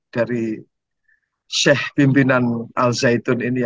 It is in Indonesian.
dari sheikh pimpinan al zaitun ini